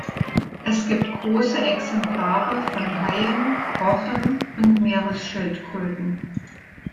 Es gibt große Exemplare von Haien, Rochen und Meeresschildkröten.